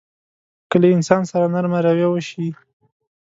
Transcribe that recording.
که له انسان سره نرمه رويه وشي.